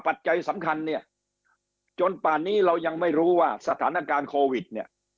ปัจจัยสำคัญเนี่ยจนป่านนี้เรายังไม่รู้ว่าสถานการณ์โควิดเนี่ย